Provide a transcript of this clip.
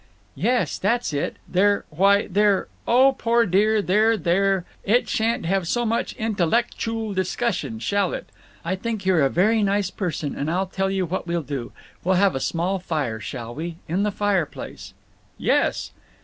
"Yes, that's it. They're—why, they're—Oh, poor dear, there, there, there! It sha'n't have so much intellekchool discussion, shall it!… I think you're a very nice person, and I'll tell you what we'll do. We'll have a small fire, shall we? In the fireplace." "Yes!"